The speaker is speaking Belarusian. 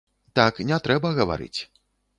Так не трэба гаварыць.